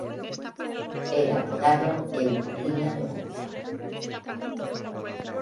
Era apodado ""El gorila de Monza"".